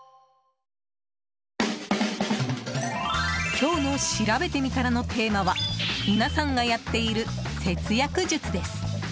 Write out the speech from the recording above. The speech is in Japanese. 今日のしらべてみたらのテーマは皆さんがやっている節約術です。